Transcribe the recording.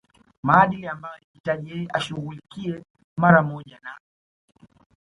maadili ambayo ilihitaji yeye ashughulikie mara moja na